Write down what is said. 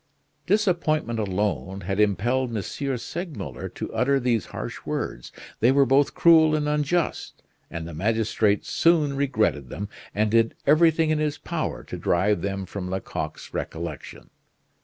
Disappointment alone had impelled M. Segmuller to utter these harsh words; they were both cruel and unjust, and the magistrate soon regretted them, and did everything in his power to drive them from Lecoq's recollection.